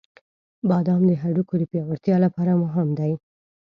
• بادام د هډوکو د پیاوړتیا لپاره مهم دی.